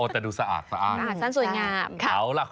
แต่ดูสะอาดสะอาดสะอาดสั้นสวยงาม